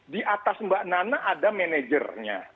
di atas mbak nana ada manajernya